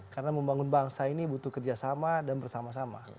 karena membangun bangsa ini butuh kerjasama dan bersama sama